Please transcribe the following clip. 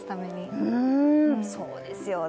そうですよね。